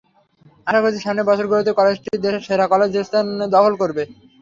আশা করছি, সামনের বছরগুলোতে কলেজটি দেশের সেরা কলেজের স্থান দখল করবে।